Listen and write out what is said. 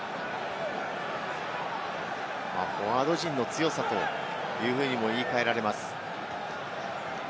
フォワード陣の強さというふうにも言い換えられます。